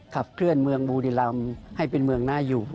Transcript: ขับเคลื่อนเมืองบุรีรำให้เป็นเมืองน่าอยู่